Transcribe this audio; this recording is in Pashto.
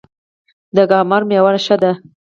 د کهمرد میوه ښه ده